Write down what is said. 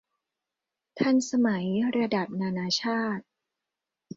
ทันสมัยระดับนานาชาติ